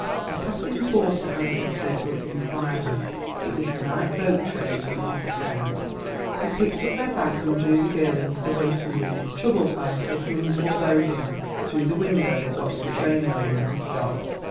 A passing porter answered Kirkwood's inquiry: it was the night boat train from Ostend. He picked up their bags and drew the girl into the waiting room, troubled by a sickening foreboding. Through the window they watched the train roll in and stop.